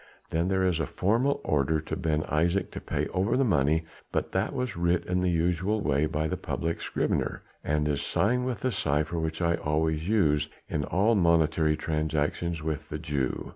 Then there is a formal order to Ben Isaje to pay over the money, but that was writ in the usual way by the public scrivener and is signed with the cypher which I always use in all monetary transactions with the Jew.